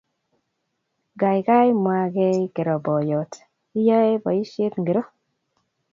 Gaigai, mwagee kiro boiyot,"Iyoe boisiet ngiro?"